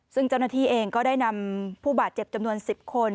ซึ่งเจ้าหน้าที่เองก็ได้นำผู้บาดเจ็บจำนวน๑๐คน